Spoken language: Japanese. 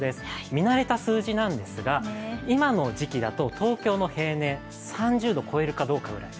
見慣れた数字なんですが、今の時期だと東京の平年、３０度を超えるかどうかくらい。